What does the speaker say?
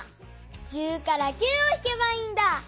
１０から９をひけばいいんだ。